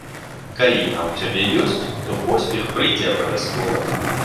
Калі яна ў цябе ёсць, то поспех прыйдзе абавязкова.